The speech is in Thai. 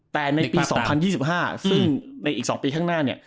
แต่ในปี๒๐๒๕ซึ่งในอีก๒ปีข้างหน้าเนี่ย